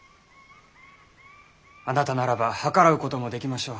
あなたならば計らうこともできましょう。